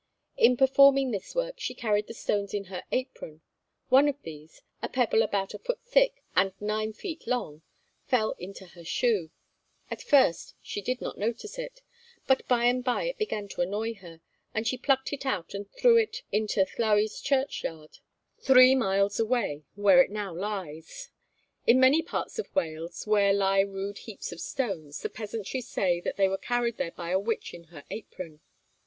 In performing this work she carried the stones in her apron; one of these a pebble about a foot thick and nine feet long fell into her shoe. At first she did not notice it, but by and by it began to annoy her, and she plucked it out and threw it into Llowes churchyard, three miles away, where it now lies. In many parts of Wales where lie rude heaps of stones, the peasantry say they were carried there by a witch in her apron.